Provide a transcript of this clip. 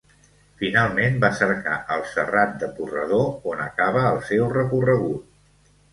Finalment, va a cercar el Serrat de Purredó, on acaba el seu recorregut.